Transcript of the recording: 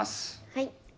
はい。